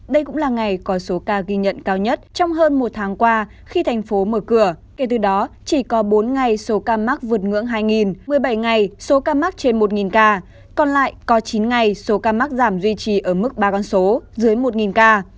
đây cũng là ngày có số ca ghi nhận cao nhất trong hơn một tháng qua khi thành phố mở cửa kể từ đó chỉ có bốn ngày số ca mắc vượt ngưỡng hai một mươi bảy ngày số ca mắc trên một ca còn lại có chín ngày số ca mắc giảm duy trì ở mức ba con số dưới một ca